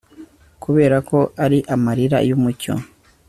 Kuberako ari amarira yumucyo